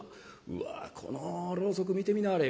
うわこのろうそく見てみなはれ。